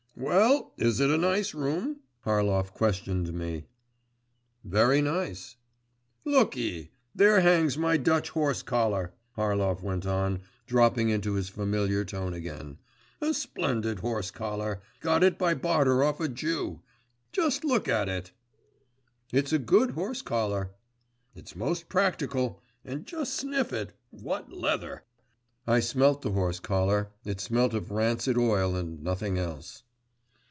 'Well, is it a nice room?' Harlov questioned me. 'Very nice.' 'Look ye, there hangs my Dutch horse collar,' Harlov went on, dropping into his familiar tone again. 'A splendid horse collar! got it by barter off a Jew. Just you look at it!' 'It's a good horse collar.' 'It's most practical. And just sniff it … what leather!' I smelt the horse collar. It smelt of rancid oil and nothing else.